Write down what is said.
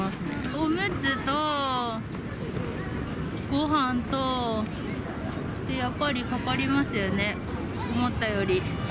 おむつと、ごはんとでやっぱりかかりますよね、思ったより。